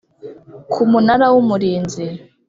k Umunara w Umurinzi